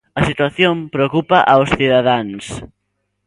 A situación preocupa aos cidadáns.